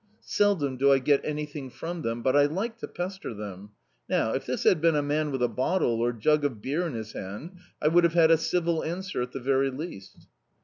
Seldom do I get anything from them, but I like to pester them. Now, if this had been a man with a bottle, or jug of beer in his hand, I would have had a civil answer at the very least."